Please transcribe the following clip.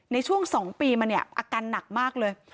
ในช่วง๒ปีมาเนี่ยอาการหนักมากเลย